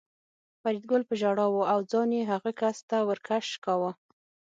فریدګل په ژړا و او ځان یې هغه کس ته ور کش کاوه